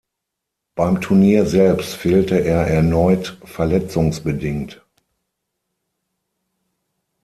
Beim Turnier selbst fehlte er erneut verletzungsbedingt.